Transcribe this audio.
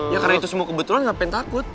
ya karena itu semua kebetulan gak pengen takut